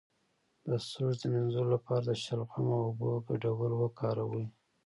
د سږو د مینځلو لپاره د شلغم او اوبو ګډول وکاروئ